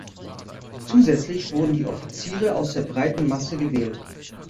Zusätzlich wurden die Offiziere aus der breiten Masse gewählt.